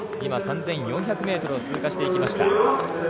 今、３４００ｍを通過していきました。